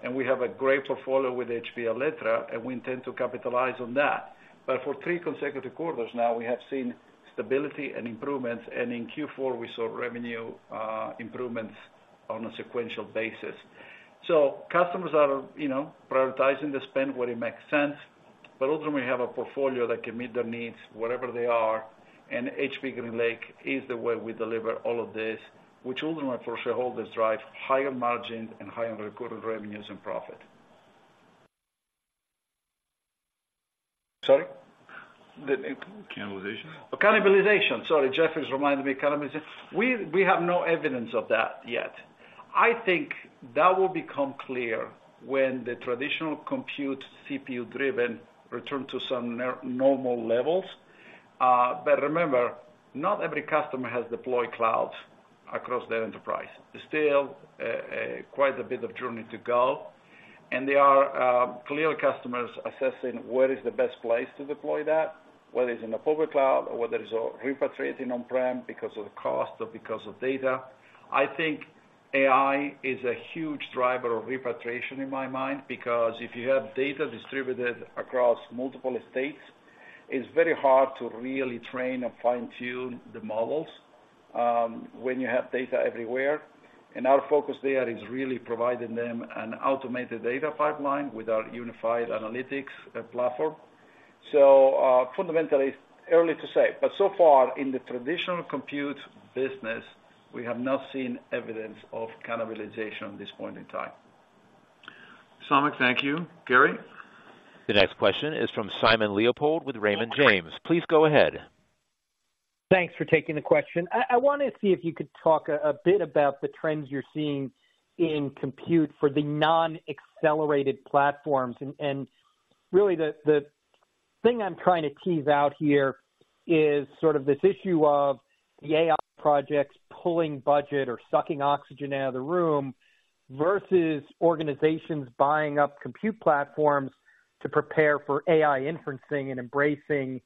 and we have a great portfolio with HPE Alletra, and we intend to capitalize on that. For three consecutive quarters now, we have seen stability and improvements, and in Q4, we saw revenue improvements on a sequential basis. So customers are, you know, prioritizing the spend where it makes sense, but ultimately, we have a portfolio that can meet their needs wherever they are, and HPE GreenLake is the way we deliver all of this, which ultimately, for our shareholders, drive higher margins and higher recorded revenues and profit. Sorry? Cannibalization. Cannibalization. Sorry, Jeff's reminded me cannibalization. We, we have no evidence of that yet. I think that will become clear when the traditional compute CPU-driven return to some normal levels. But remember, not every customer has deployed clouds across their enterprise. There's still quite a bit of journey to go, and there are clear customers assessing where is the best place to deploy that, whether it's in a public cloud or whether it's repatriating on-prem because of the cost or because of data. I think AI is a huge driver of repatriation in my mind, because if you have data distributed across multiple states, it's very hard to really train and fine-tune the models, when you have data everywhere. And our focus there is really providing them an automated data pipeline with our unified analytics platform. Fundamentally, early to say, but so far, in the traditional compute business, we have not seen evidence of cannibalization at this point in time. Samik, thank you. Gary? The next question is from Simon Leopold with Raymond James. Please go ahead. Thanks for taking the question. I wanna see if you could talk a bit about the trends you're seeing in compute for the non-accelerated platforms. And really, the thing I'm trying to tease out here is sort of this issue of the AI projects pulling budget or sucking oxygen out of the room versus organizations buying up compute platforms to prepare for AI inferencing and embracing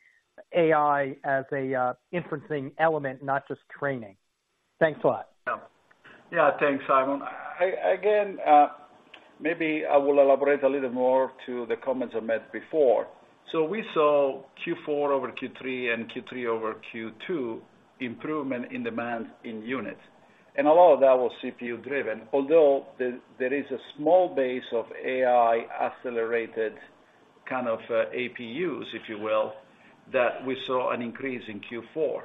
AI as a inferencing element, not just training. Thanks a lot. Yeah. Yeah, thanks, Simon. I again, maybe I will elaborate a little more to the comments I made before. So we saw Q4 over Q3 and Q3 over Q2 improvement in demand in units, and a lot of that was CPU-driven. Although, there is a small base of AI accelerated kind of APUs, if you will, that we saw an increase in Q4.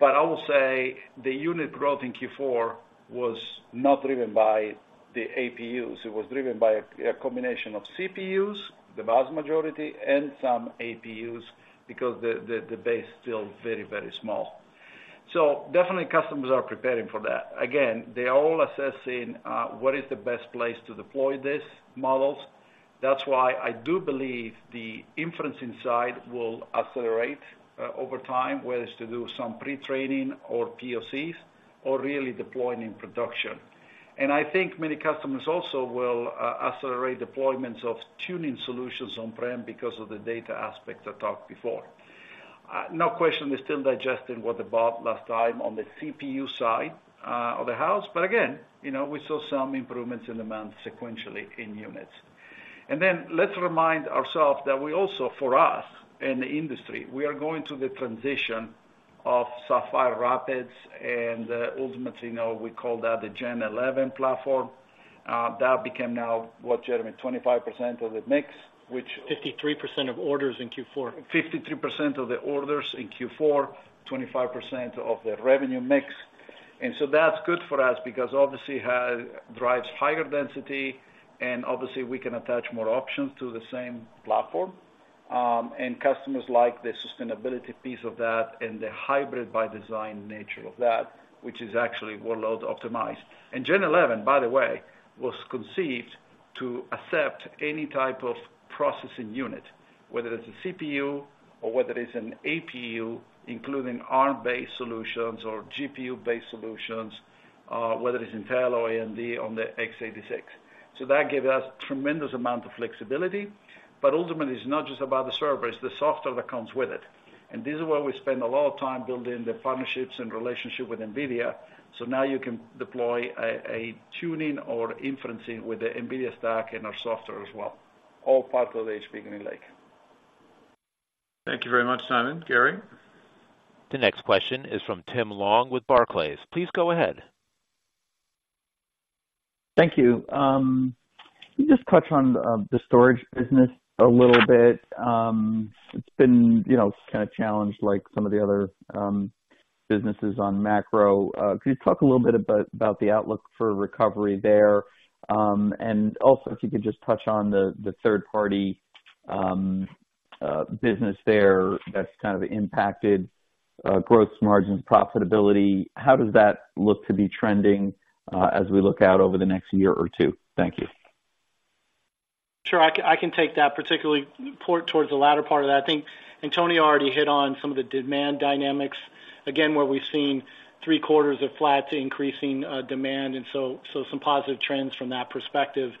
But I will say the unit growth in Q4 was not driven by the APUs. It was driven by a combination of CPUs, the vast majority, and some APUs, because the base is still very, very small. So definitely customers are preparing for that. Again, they are all assessing what is the best place to deploy these models. That's why I do believe the inference inside will accelerate over time, whether it's to do some pre-training or POCs or really deploying in production. And I think many customers also will accelerate deployments of tuning solutions on-prem because of the data aspect I talked before. No question, they're still digesting what they bought last time on the CPU side of the house. But again, you know, we saw some improvements in demand sequentially in units. And then let's remind ourselves that we also, for us, in the industry, we are going through the transition of Sapphire Rapids and ultimately, you know, we call that the Gen11 platform. That became now, what, Jeremy, 25% of the mix, which-53% of orders in Q4. 53% of the orders in Q4, 25% of the revenue mix... And so that's good for us because obviously, it drives higher density, and obviously, we can attach more options to the same platform. And customers like the sustainability piece of that and the hybrid by design nature of that, which is actually workload optimized. And Gen11, by the way, was conceived to accept any type of processing unit, whether it's a CPU or whether it's an APU, including ARM-based solutions or GPU-based solutions, whether it's Intel or AMD on the x86. So that gives us tremendous amount of flexibility. But ultimately, it's not just about the server, it's the software that comes with it. And this is where we spend a lot of time building the partnerships and relationship with NVIDIA. Now you can deploy a tuning or inferencing with the NVIDIA stack and our software as well, all part of HPE GreenLake. Thank you very much, Simon. Gary? The next question is from Tim Long with Barclays. Please go ahead. Thank you. Can you just touch on the storage business a little bit? It's been, you know, kind of challenged, like some of the other businesses on macro. Could you talk a little bit about about the outlook for recovery there? And also, if you could just touch on the third-party business there that's kind of impacted gross margins, profitability. How does that look to be trending as we look out over the next year or two? Thank you. Sure. I can take that, particularly toward, towards the latter part of that. I think Antonio already hit on some of the demand dynamics, again, where we've seen three quarters of flat to increasing demand, and so some positive trends from that perspective.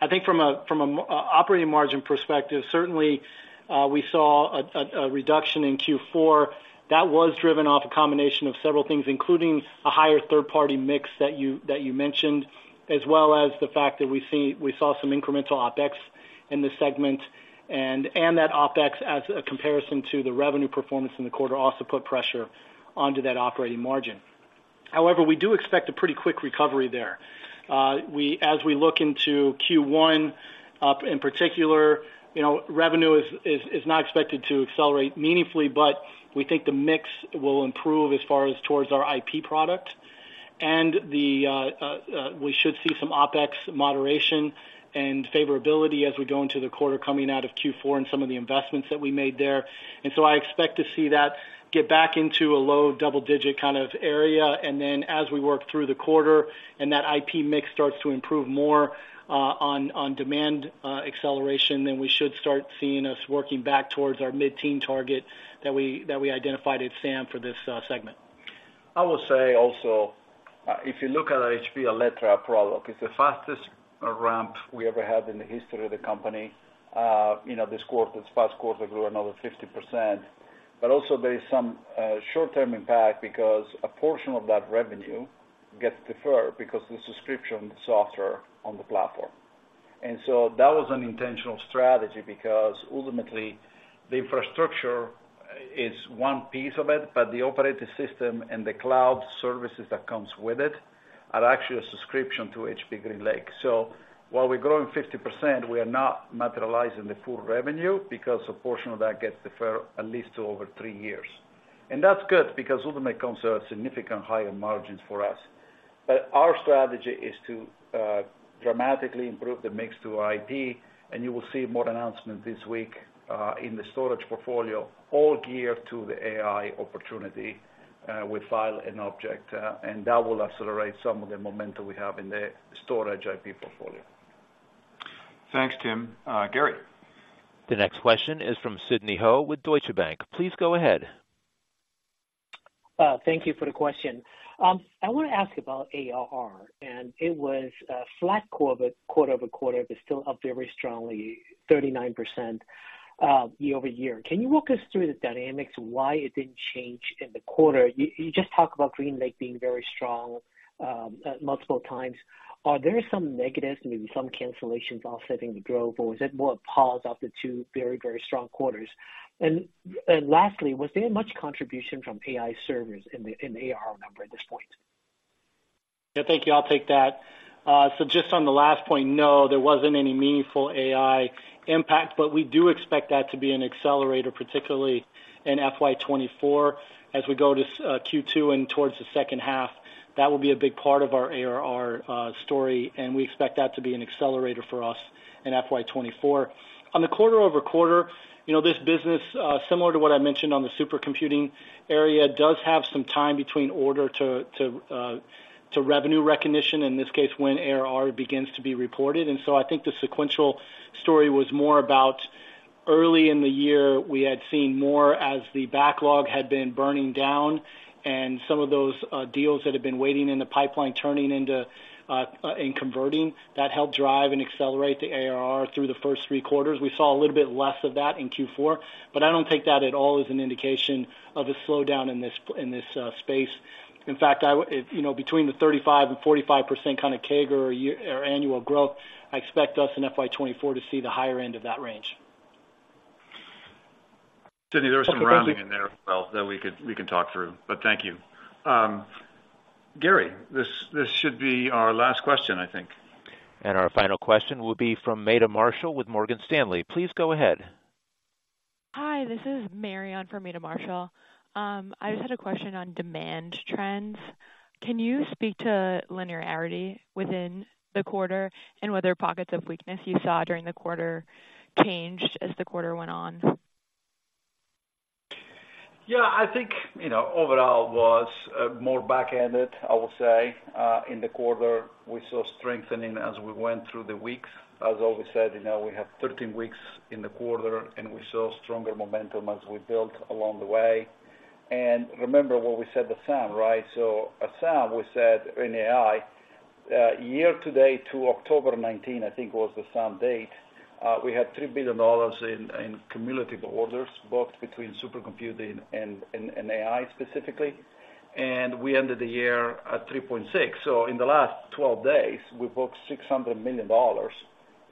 I think from an operating margin perspective, certainly we saw a reduction in Q4 that was driven off a combination of several things, including a higher third-party mix that you mentioned, as well as the fact that we've seen we saw some incremental OpEx in this segment, and that OpEx, as a comparison to the revenue performance in the quarter, also put pressure onto that operating margin. However, we do expect a pretty quick recovery there. As we look into Q1, in particular, you know, revenue is not expected to accelerate meaningfully, but we think the mix will improve as far as towards our IP product. And we should see some OpEx moderation and favorability as we go into the quarter coming out of Q4 and some of the investments that we made there. And so I expect to see that get back into a low double-digit kind of area. And then, as we work through the quarter and that IP mix starts to improve more on demand acceleration, then we should start seeing us working back towards our mid-teen target that we identified at SAM for this segment. I will say also, if you look at our HPE Alletra product, it's the fastest ramp we ever had in the history of the company. You know, this quarter, this past quarter, grew another 50%. But also, there is some short-term impact because a portion of that revenue gets deferred because the subscription software on the platform. And so that was an intentional strategy because ultimately, the infrastructure is one piece of it, but the operating system and the cloud services that comes with it are actually a subscription to HPE GreenLake. So while we're growing 50%, we are not materializing the full revenue because a portion of that gets deferred at least to over three years. And that's good because ultimately, it comes to a significant higher margins for us. But our strategy is to dramatically improve the mix to IP, and you will see more announcements this week in the storage portfolio, all geared to the AI opportunity with file and object. And that will accelerate some of the momentum we have in the storage IP portfolio. Thanks, Tim. Gary? The next question is from Sidney Ho with Deutsche Bank. Please go ahead. Thank you for the question. I want to ask about ARR, and it was flat quarter-over-quarter, but still up very strongly, 39% year-over-year. Can you walk us through the dynamics, why it didn't change in the quarter? You just talked about GreenLake being very strong multiple times. Are there some negatives, maybe some cancellations offsetting the growth, or is it more a pause after two very, very strong quarters? And lastly, was there much contribution from AI servers in the ARR number at this point? Yeah, thank you. I'll take that. So just on the last point, no, there wasn't any meaningful AI impact, but we do expect that to be an accelerator, particularly in FY 2024. As we go to Q2 and towards the second half, that will be a big part of our ARR story, and we expect that to be an accelerator for us in FY 2024. On the quarter-over-quarter, you know, this business, similar to what I mentioned on the supercomputing area, does have some time between order to revenue recognition, in this case, when ARR begins to be reported. And so I think the sequential story was more about early in the year, we had seen more as the backlog had been burning down and some of those, deals that had been waiting in the pipeline turning into, and converting. That helped drive and accelerate the ARR through the first three quarters. We saw a little bit less of that in Q4, but I don't take that at all as an indication of a slowdown in this, in this, space. In fact, I would... If, you know, between 35% and 45% kind of CAGR or year, or annual growth, I expect us in FY 2024 to see the higher end of that range. Sydney, there was some rounding in there as well that we can talk through, but thank you. Gary, this should be our last question, I think. Our final question will be from Meta Marshall with Morgan Stanley. Please go ahead. Hi, this is Marianne from Meta Marshall. I just had a question on demand trends. Can you speak to linearity within the quarter and whether pockets of weakness you saw during the quarter changed as the quarter went on? Yeah, I think, you know, overall was more back-ended, I will say. In the quarter, we saw strengthening as we went through the weeks. As always said, you know, we have 13 weeks in the quarter, and we saw stronger momentum as we built along the way. And remember what we said, the SAM, right? So a SAM, we said in AI year-to-date to October 19, I think, was the SAM date. We had $3 billion in cumulative orders, both between supercomputing and AI specifically, and we ended the year at $3.6 billion. So in the last 12 days, we booked $600 million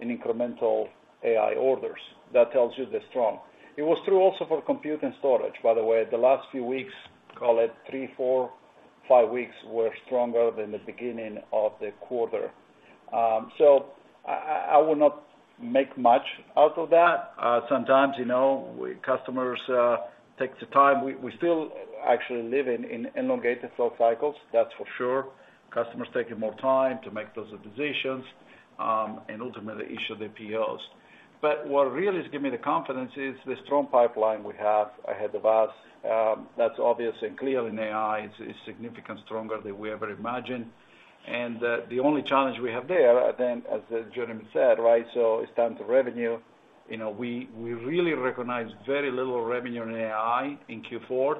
in incremental AI orders. That tells you they're strong. It was true also for compute and storage, by the way. The last few weeks, call it three, four, five weeks, were stronger than the beginning of the quarter. So, I will not make much out of that. Sometimes, you know, customers take the time. We still actually live in elongated flow cycles, that's for sure. Customers taking more time to make those decisions, and ultimately issue the POs. But what really is giving me the confidence is the strong pipeline we have ahead of us. That's obvious and clear in AI. It's significant stronger than we ever imagined. And the only challenge we have there, then, as Jeremy said, right, so it's time to revenue. You know, we really recognize very little revenue in AI in Q4.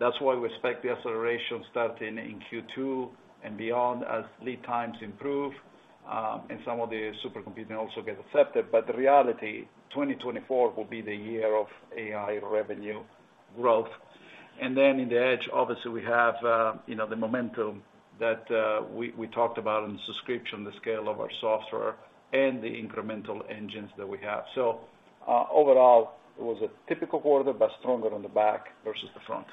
That's why we expect the acceleration starting in Q2 and beyond as lead times improve, and some of the supercomputing also get accepted. But the reality, 2024 will be the year of AI revenue growth. And then in the edge, obviously, we have, you know, the momentum that we talked about in subscription, the scale of our software and the incremental engines that we have. So, overall, it was a typical quarter, but stronger on the back versus the front.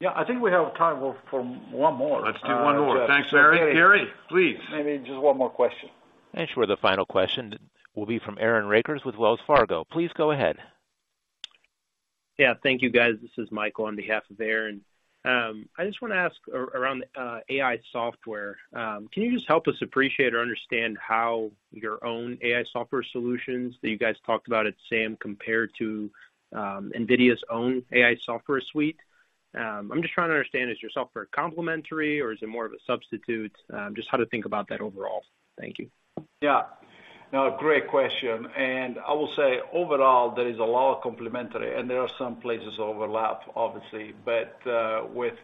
Yeah, I think we have time for one more. Let's do one more. Thanks, Mary. Mary, please. Maybe just one more question. Sure, the final question will be from Aaron Rakers with Wells Fargo. Please go ahead. Yeah. Thank you, guys. This is Michael on behalf of Aaron. I just wanna ask around AI software. Can you just help us appreciate or understand how your own AI software solutions that you guys talked about at SAM compared to NVIDIA's own AI software suite? I'm just trying to understand, is your software complementary or is it more of a substitute? Just how to think about that overall. Thank you. Yeah. No, great question. I will say, overall, there is a lot of complementary and there are some places overlap, obviously. But with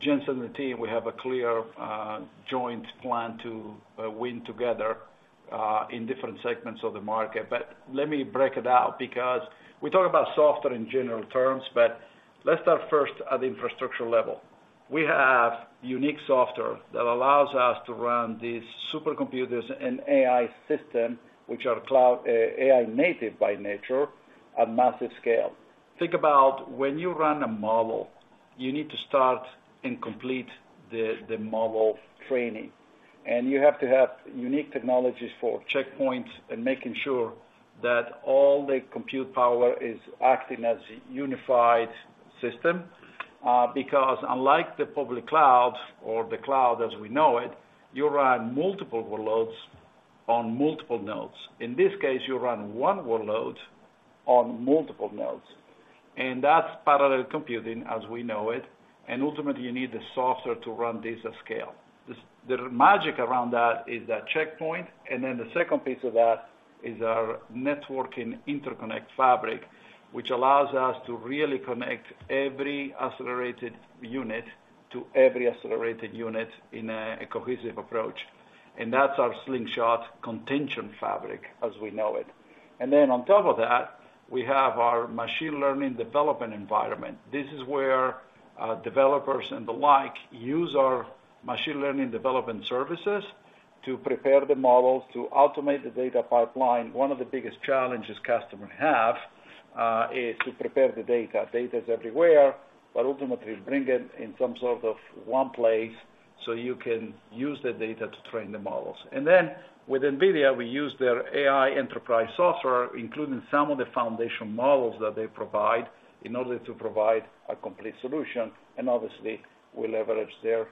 Jensen and the team, we have a clear joint plan to win together in different segments of the market. But let me break it out because we talk about software in general terms, but let's start first at the infrastructure level. We have unique software that allows us to run these supercomputers and AI system, which are cloud, AI native by nature, at massive scale. Think about when you run a model, you need to start and complete the, the model training, and you have to have unique technologies for checkpoints and making sure that all the compute power is acting as a unified system. Because unlike the public cloud or the cloud as we know it, you run multiple workloads on multiple nodes. In this case, you run one workload on multiple nodes, and that's parallel computing as we know it, and ultimately, you need the software to run this at scale. The magic around that is that checkpoint, and then the second piece of that is our networking interconnect fabric, which allows us to really connect every accelerated unit to every accelerated unit in a cohesive approach, and that's our Slingshot interconnect fabric as we know it. And then on top of that, we have our Machine Learning Development Environment. This is where developers and the like use our machine learning development services to prepare the models, to automate the data pipeline. One of the biggest challenges customers have is to prepare the data. Data is everywhere, but ultimately bring it in some sort of one place so you can use the data to train the models. And then with NVIDIA, we use their AI Enterprise software, including some of the foundation models that they provide, in order to provide a complete solution. And obviously, we leverage their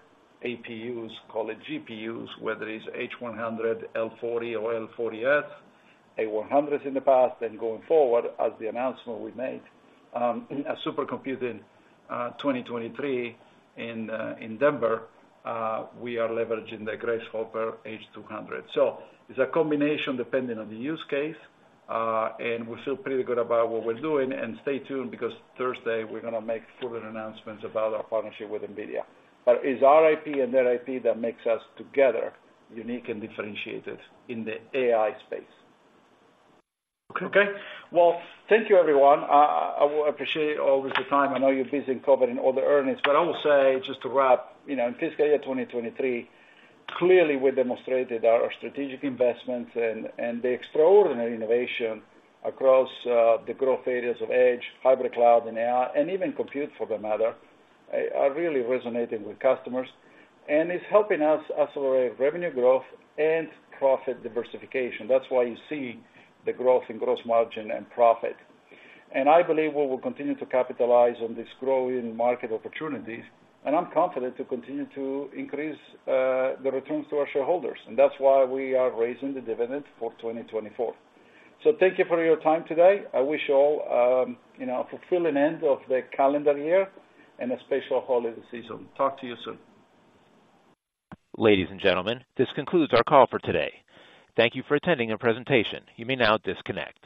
APUs, call it GPUs, whether it's H100, L40 or L40S. A100 in the past, and going forward, as the announcement we made at Supercomputing 2023 in Denver, we are leveraging the Grace Hopper H200. So it's a combination depending on the use case, and we feel pretty good about what we're doing. And stay tuned, because Thursday, we're gonna make further announcements about our partnership with NVIDIA. But it's our IP and their IP that makes us together, unique and differentiated in the AI space. Okay. Well, thank you, everyone. I appreciate all the time. I know you're busy covering all the earnings, but I will say, just to wrap, you know, in fiscal year 2023, clearly we demonstrated our strategic investments and the extraordinary innovation across the growth areas of edge, hybrid cloud, and AI, and even compute, for that matter, are really resonating with customers. And it's helping us accelerate revenue growth and profit diversification. That's why you see the growth in gross margin and profit. And I believe we will continue to capitalize on this growing market opportunities, and I'm confident to continue to increase the returns to our shareholders, and that's why we are raising the dividend for 2024. Thank you for your time today. I wish you all, you know, a fulfilling end of the calendar year and a special holiday season. Talk to you soon. Ladies and gentlemen, this concludes our call for today. Thank you for attending our presentation. You may now disconnect.